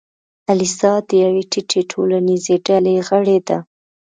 الیزا د یوې ټیټې ټولنیزې ډلې غړې ده.